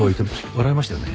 笑いましたよね？